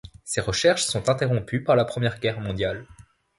Ses recherches sont interrompues par la Première Guerre mondiale.